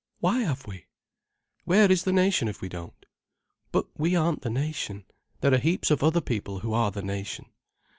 "Why have we?" "Where is the nation if we don't?" "But we aren't the nation. There are heaps of other people who are the nation."